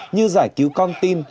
như giải cứu con tin